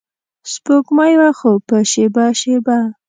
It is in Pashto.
سپوږمۍ وه خو په شیبه شیبه